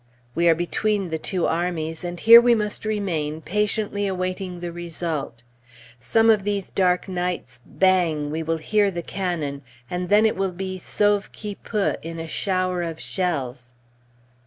We are between the two armies, and here we must remain patiently awaiting the result. Some of these dark nights, bang! we will hear the cannon, and then it will be sauve qui peut in a shower of shells.